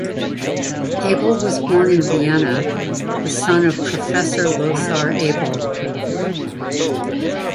Abel was born in Vienna, the son of Professor Lothar Abel.